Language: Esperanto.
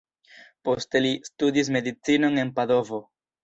Poste li studis medicinon en Padovo.